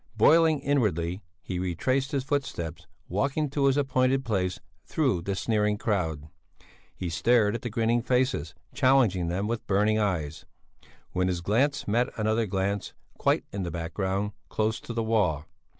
Boiling inwardly he retraced his footsteps, walking to his appointed place through the sneering crowd; he stared at the grinning faces, challenging them with burning eyes, when his glance met another glance, quite in the background, close to the wall.